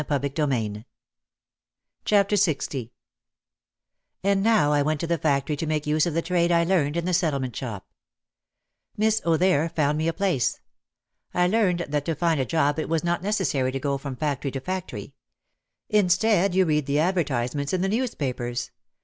OUT OF THE SHADOW 287 LX And now I went to the factory to make use of the trade I learned in the Settlement shop. Miss OThere found me a place. I learned that to find a job it was not necessary to go from factory to factory. Instead you read the advertisements in the newspapers.